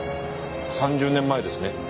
３０年前ですね？